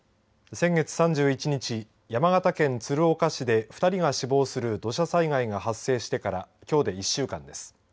先月３１日、山形県鶴岡市で２人が死亡する土砂災害が発生してからきょうで１週間です。